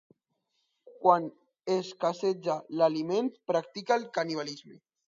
Quan escasseja l'aliment, practica el canibalisme.